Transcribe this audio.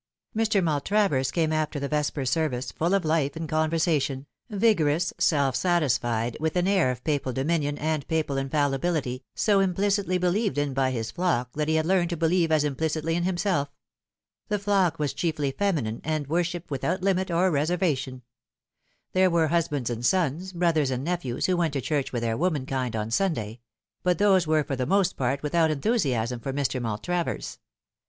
Mr. Maltravers came after the vesper service, full of life and conversation, vigorous, "self satisfied, with an air of Papal dominion and Papal infallibility, so implicitly believed in by his flock that he had learned to believe as implicitly in himself. The flock was chiefly feminine, and worshipped without limit or reservation. There were husbands and sons, brothers and nephews, who went to church with their womenkind on Sunday ; but these were for the most part without enthusiasm for Mr. Maltravers.